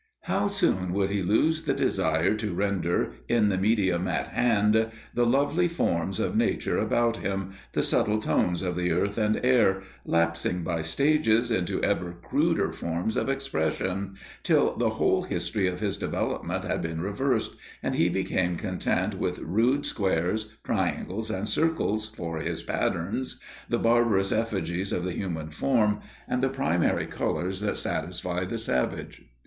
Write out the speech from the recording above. How soon would he lose the desire to render, in the medium at hand, the lovely forms of nature about him, the subtle tones of the earth and air, lapsing by stages into ever cruder forms of expression, till the whole history of his development had been reversed, and he became content with rude squares, triangles and circles for his patterns, the barbarous effigies of the human form, and the primary colours that satisfy the savage?